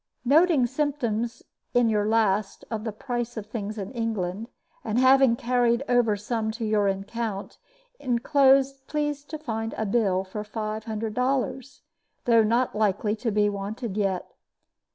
"Noting symptoms in your last of the price of things in England, and having carried over some to your account, inclosed please to find a bill for five hundred dollars, though not likely to be wanted yet.